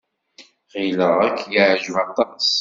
Ɣileɣ ad k-yeɛjeb aṭas.